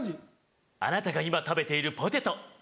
「あなたが今食べているポテト」。